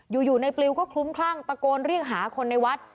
อยู่ในปลิวก็คลุ้มคลั่งตะโกนเรียกหาคนในวัด